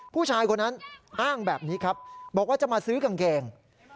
ผู้ชายคนนั้นอ้างแบบนี้ครับบอกว่าจะมาซื้อกางเกง